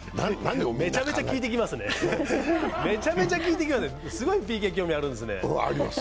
めちゃめちゃ聞いてきますね、すごいＰＫ興味あるんですね。